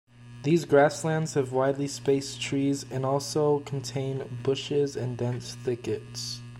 These grasslands have widely spaced trees and also contain bushes and dense thickets.